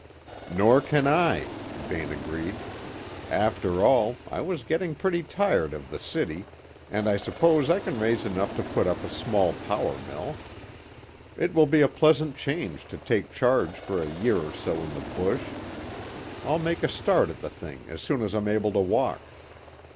"Nor can I," Vane agreed. "After all, I was getting pretty tired of the city, and I suppose I can raise enough to put up a small power mill. It will be a pleasant change to take charge for a year or two in the bush. I'll make a start at the thing as soon as I'm able to walk."